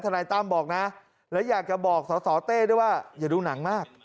นายตั้มบอกนะแล้วอยากจะบอกสสเต้ด้วยว่าอย่าดูหนังมาก